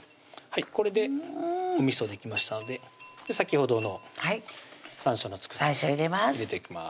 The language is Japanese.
これでおみそできましたので先ほどの山椒の佃煮入れていきます